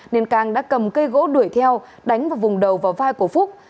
nên cang đã cầm cây gỗ đuổi theo đánh vào vùng đầu và vai của phúc